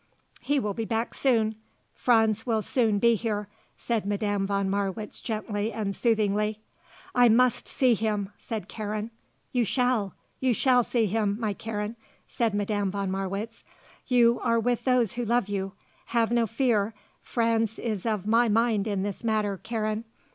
"He will be back soon; Franz will soon be here," said Madame von Marwitz gently and soothingly. "I must see him," said Karen. "You shall. You shall see him, my Karen," said Madame von Marwitz. "You are with those who love you. Have no fear. Franz is of my mind in this matter, Karen.